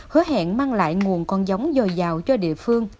hứa hẹn mang lại nguồn con giống dồi dào cho địa phương